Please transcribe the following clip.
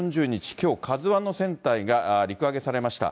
きょうＫＡＺＵＩの船体が陸揚げされました。